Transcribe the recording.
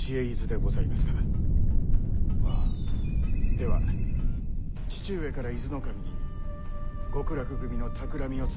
では父上から伊豆守に極楽組のたくらみを伝え。